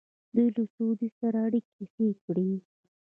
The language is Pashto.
دوی له سعودي سره اړیکې ښې کړې.